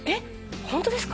本当ですか